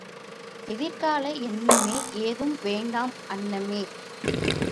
எதிர் கால எண்ணமே ஏதும் வேண்டாம் அன்னமே!